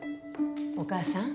お母さん。